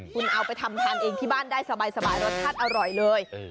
คุณเอาไปทำทานเองที่บ้านได้สบายรสชาติอร่อยเลย